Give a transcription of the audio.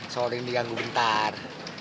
sorry diganggu bentar